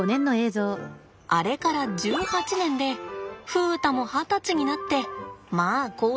あれから１８年で風太も二十歳になってまあ高齢者です。